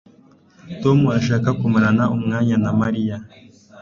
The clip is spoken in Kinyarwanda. Tom arashaka kumarana umwanya na Mariya